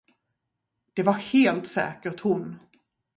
Det var helt säkert hon.